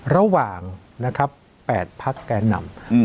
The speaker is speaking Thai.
ระหว่างนะครับแปดพักแกนำอืม